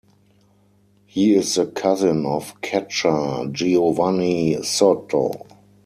He is the cousin of catcher Geovany Soto.